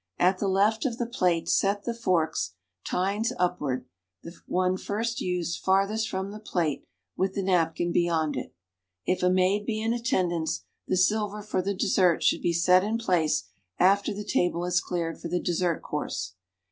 At the 'eft of the j>late set the forks, tines ujiwards, the one first used farthest from the jjlatc, \\ itli the napkin beyond it. If a maid be in attendance, the siher for the dessert should be set in place after the table is cleared for the dessert course.